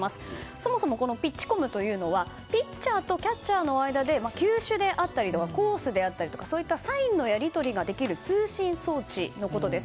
そもそもピッチコムというのはピッチャーとキャッチャーの間で球種であったりコースであったりサインのやり取りができる通信装置のことです。